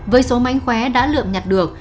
với số mảnh khóe đã lượm nhặt được